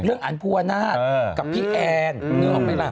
เรื่องอันภูอนาศกับพี่แอลนึกออกมั้ยล่ะ